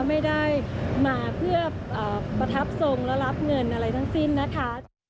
ไม่ได้มาเพื่อประทับทรงและรับเงินอะไรทั้งสิ้นนะคะ